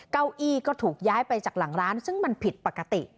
เก้าอี้ก็ถูกย้ายไปจากหลังร้านซึ่งมันผิดปกติ